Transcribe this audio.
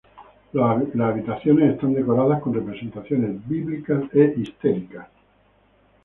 Las habitaciones están decoradas con representaciones bíblicas e históricas.